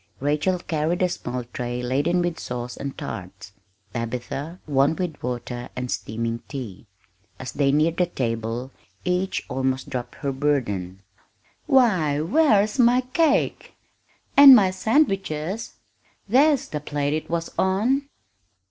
Rachel carried a small tray laden with sauce and tarts; Tabitha, one with water and steaming tea. As they neared the table each almost dropped her burden. "Why, where's my cake?" "And my sandwiches?" "There's the plate it was on!"